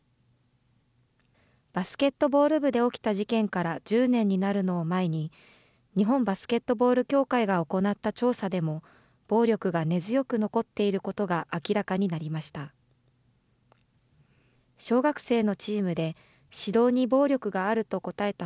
バスケットボール部で起きた事件から１０年になるのを前に、日本バスケットボール協会が行った調査でも、暴力が根強く残っていることが明らかになりました。